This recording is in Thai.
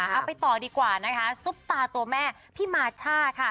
เอาไปต่อดีกว่านะคะซุปตาตัวแม่พี่มาช่าค่ะ